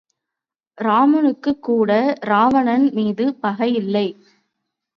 இராமனுக்குக் கூட இராவணன் மீது பகை இல்லை.